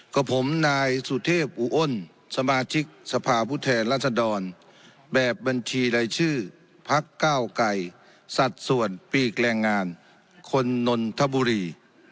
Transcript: กระผมนายสุเทพอุ้นสมาชิกสภาพุทธแหล่งราชดรแบบบัญชีในชื่อพักเก้าไก่สัตว์สวรรค์ปีกแรงงานคนนนทบุรี